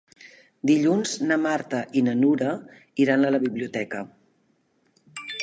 Dilluns na Marta i na Nura iran a la biblioteca.